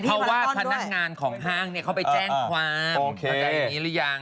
เขาว่าพนักงานของห้างเขาไปแจ้งความประจายนี้หรือยัง